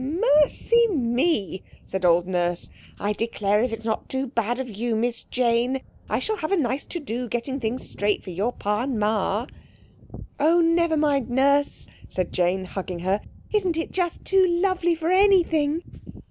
"Mercy me!" said old Nurse. "I declare if it's not too bad of you, Miss Jane. I shall have a nice to do getting things straight for your Pa and Ma." "Oh, never mind, Nurse," said Jane, hugging her; "isn't it just too lovely for anything!"